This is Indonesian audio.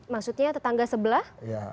maksudnya tetangga sebelah